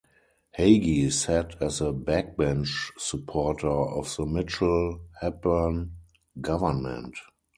Hagey sat as a backbench supporter of the Mitchell Hepburn government.